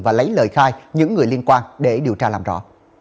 và lấy lời khai những người liên quan để điều tra làm rõ